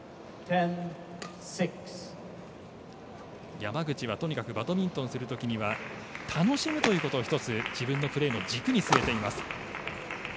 山口はとにかくバドミントンをするときには楽しむということを１つ自分のプレーの軸にすえています。